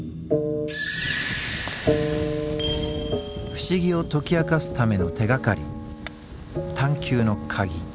不思議を解き明かすための手がかり